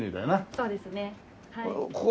そうですねはい。